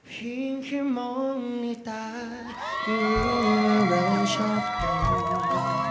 เพียงแค่มองในตายังรู้ว่าเราชอบกัน